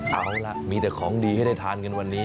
เอาล่ะมีแต่ของดีให้ได้ทานกันวันนี้